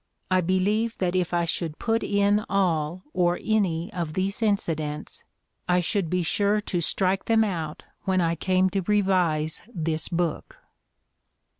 I believe that if I should put in all or any of these incidents I should be sure to strike them out when I came to revise this book."